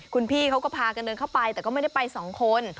คุณพี่เขาก็พากันเดินเข้าไปแต่ก็ไม่ได้ไปสองคน